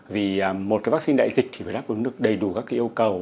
vì một cái vaccine đại dịch thì phải đáp ứng được đầy đủ các cái yêu cầu